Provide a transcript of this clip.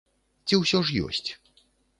Ці ўсё ж ёсць?